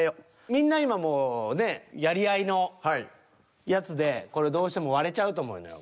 みんな今もうねやり合いのやつでこれどうしても割れちゃうと思うのよ。